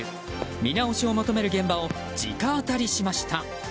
見直しを求める現場を直アタリしました。